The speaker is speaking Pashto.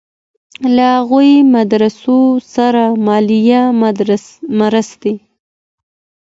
له هغو مدرسو سره مالي مرستې.